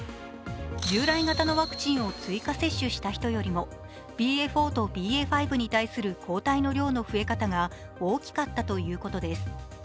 従来型のワクチンを追加接種した人よりもＢＡ．４とＢＡ．５に対する抗体の量の増え方が大きかったということです。